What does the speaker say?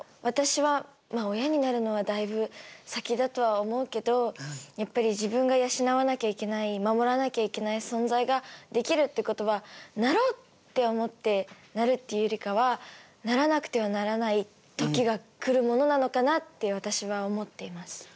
私は親になるのはだいぶ先だとは思うけどやっぱり自分が養わなきゃいけない守らなきゃいけない存在ができるってことはなろうって思ってなるっていうよりかはならなくてはならない時が来るものなのかなって私は思っています。